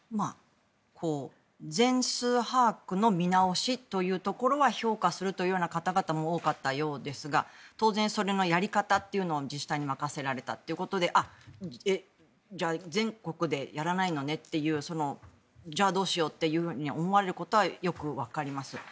全数把握の見直しというところは評価するという方々も多かったようですが当然、それのやり方というのは自治体に任せられたということであ、じゃあ全国でやらないのねっていうじゃあどうしようっていうふうに思われることはよくわかります。